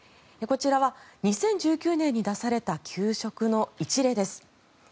こちらは２０１９年に出された給食の一例です。